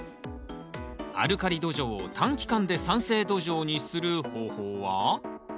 アルカリ土壌を短期間で酸性土壌にする方法は？